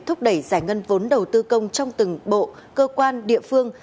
thúc đẩy giải ngân vốn đầu tư công trong từng bộ cơ quan địa phương